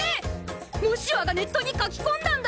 モシワがネットに書きこんだんだ！